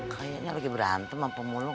kayanya lagi berantem apa mulung